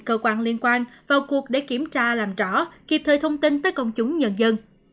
cơ quan liên quan vào cuộc để kiểm tra làm rõ kịp thời thông tin tới công chúng nhân dân